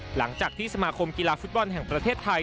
หลังจากที่สมาคมกีฬาฟุตบอลแห่งประเทศไทย